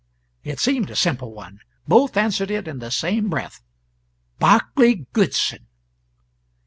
It seemed a simple one; both answered it in the same breath "Barclay Goodson."